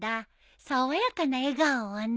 爽やかな笑顔をね。